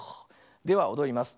ではおどります。